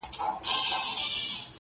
لنډۍ په غزل کي، پنځمه برخه!!